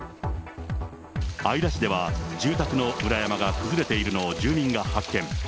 姶良市では住宅の裏山が崩れているのを住民が発見。